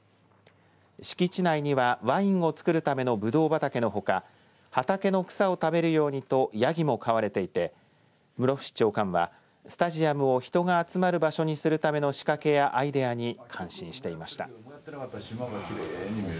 敷地内にはワインを作るためのブドウ畑のほか畑の草を食べるようにとやぎも飼われていて室伏長官はスタジアムを人が集まる場所にするための仕掛けやアイデアに感心していました。